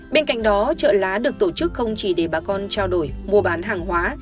bên cạnh đó trợ lá được tổ chức không chỉ để bà con trao đổi mua bán hàng hóa